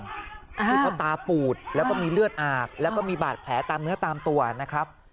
คือเขาตาปูดแล้วก็มีเลือดอาบแล้วก็มีบาดแผลตามเนื้อตามตัวนะครับ